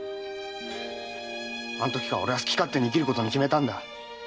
〔あのときから俺は好き勝手に生きることに決めたんだ〕